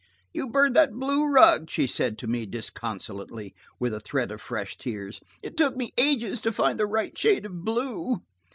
"You burned that blue rug," she said to me disconsolately, with a threat of fresh tears. "It took me ages to find the right shade of blue."